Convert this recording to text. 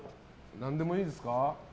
何でもいいですか。